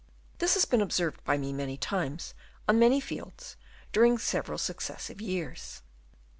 This has been observed by me many times on many fields during several successive years.